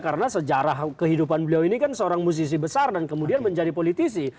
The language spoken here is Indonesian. karena sejarah kehidupan beliau ini kan seorang musisi besar dan kemudian menjadi politisi